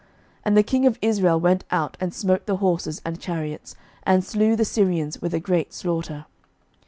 11:020:021 And the king of Israel went out, and smote the horses and chariots, and slew the Syrians with a great slaughter.